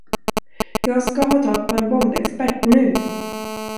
Jag ska ha tag på en bombexpert nu!